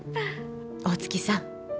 大月さん。